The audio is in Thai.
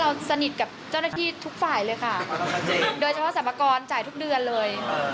สนิทกับเจ้าหน้าที่ทุกฝ่ายเลยค่ะโดยเฉพาะสรรพากรจ่ายทุกเดือนเลย